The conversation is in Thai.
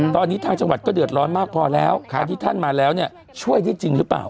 ตอนนี้ทางจังหวัดก็เดือดร้อนมากพอแล้วการที่ท่านมาแล้วเนี่ยช่วยได้จริงหรือเปล่า